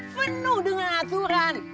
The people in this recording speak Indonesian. penuh dengan aturan